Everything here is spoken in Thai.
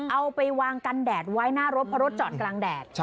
เอาไปวางกันแดดไว้หน้ารถเพราะรถจอดกลางแดด